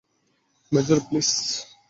Major, please!